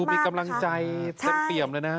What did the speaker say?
ดูมีกำลังใจเต็มเลยนะ